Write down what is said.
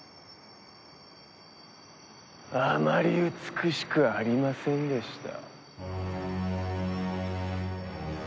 あまり美しくありませんでした。